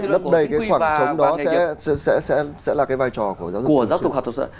lớp đầy cái khoảng trống đó sẽ là cái vai trò của giáo dục học tập